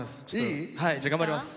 頑張ります。